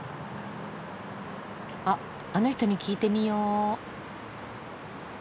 あっあの人に聞いてみよう。